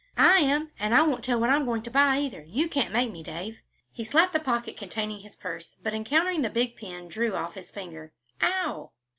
"I am, and I won't tell what I'm going to buy, either. You can't make me, Dave." He slapped the pocket containing his purse, but encountering the big pin, drew off his fingers. "Ow!"